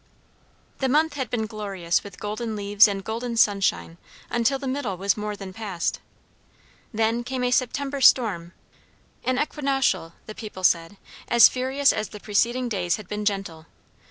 The month had been glorious with golden leaves and golden sunshine, until the middle was more than past. Then came a September storm; an equinoctial, the people said; as furious as the preceding days had been gentle.